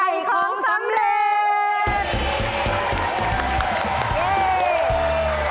เย่